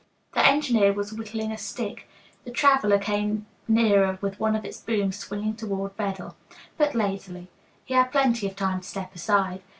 The engineer was whittling a stick. The "traveler" came nearer, with one of its booms swinging toward Bedell, but lazily. He had plenty of time to step aside.